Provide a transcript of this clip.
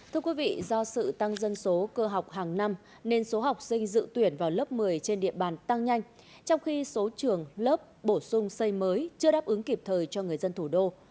thưa quý vị do sự tăng dân số cơ học hàng năm nên số học sinh dự tuyển vào lớp một mươi trên địa bàn tăng nhanh trong khi số trường lớp bổ sung xây mới chưa đáp ứng kịp thời cho người dân thủ đô